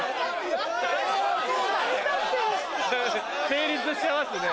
成立してますね。